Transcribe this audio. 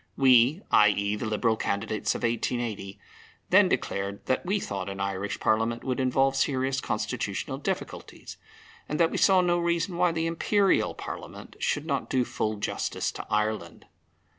We (i.e. the Liberal candidates of 1880) then declared that we thought an Irish Parliament would involve serious constitutional difficulties, and that we saw no reason why the Imperial Parliament should not do full justice to Ireland.